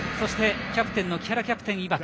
キャプテンの木原キャプテンいわく